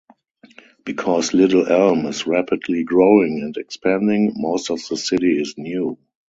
Because Little Elm is rapidly growing and expanding, most of the city is new.